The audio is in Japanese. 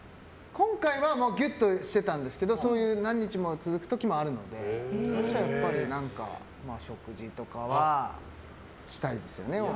今回はギュッとしてたんですけど何日も続く時もあるので食事とかはしたいですよね。